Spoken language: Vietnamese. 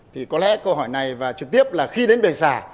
thì có lẽ câu hỏi này và trực tiếp là khi đến bể sả